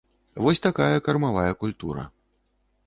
Вось такая кармавая культура.